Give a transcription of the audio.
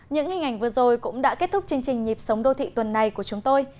những hình ảnh vừa rồi cũng đã kết thúc chương trình nhịp sống đô thị tuần này của chúng tôi